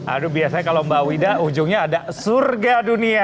aduh biasanya kalau mbak wida ujungnya ada surga dunia